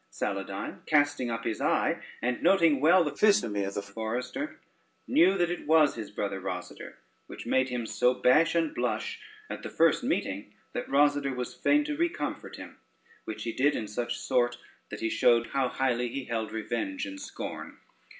Saladyne, casting up his eye and noting well the physnomy of the forester, knew, that it was his brother Rosader, which made him so bash and blush at the first meeting, that Rosader was fain to recomfort him, which he did in such sort, that he showed how highly he held revenge in scorn.